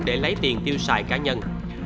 để lấy tiền tiêu xài cá nhân